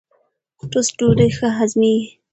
ټوسټ ډوډۍ ښه هضمېږي.